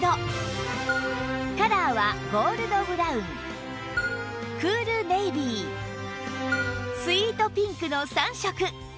カラーはゴールドブラウンクールネイビースイートピンクの３色